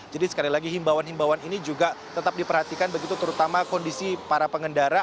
jadi sekali lagi himbawan himbawan ini juga tetap diperhatikan begitu terutama kondisi para pengendara